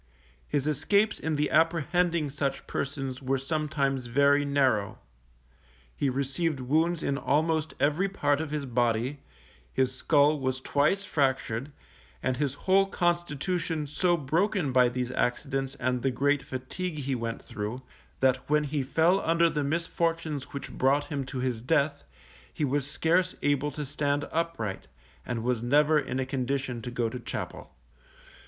His escapes in the apprehending such persons were sometimes very narrow; he received wounds in almost every part of his body, his skull was twice fractured, and his whole constitution so broken by these accidents and the great fatigue he went through, that when he fell under the misfortunes which brought him to his death, he was scarce able to stand upright, and was never in a condition to go to chapel.